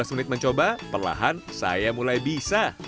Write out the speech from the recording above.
lima belas menit mencoba perlahan saya mulai bisa